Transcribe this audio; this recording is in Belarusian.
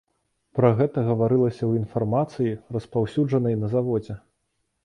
Пра гэта гаварылася ў інфармацыі, распаўсюджанай на заводзе.